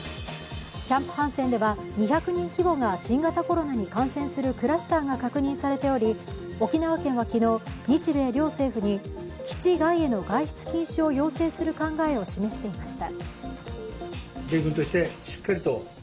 キャンプ・ハンセンでは２００人規模が新型コロナに感染するクラスターが確認されており、沖縄県は昨日、日米両政府に基地外への外出禁止を要請する考えを示していました。